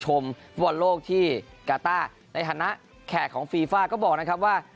ฟุตบอลโลกที่กาต้าในฐานะแขกของฟีฟ่าก็บอกนะครับว่า